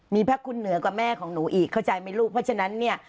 มีพระคุณเหนือกว่าแม่ของหนูอีกเข้าใจไหมลูกเพราะฉะนั้นเนี่ย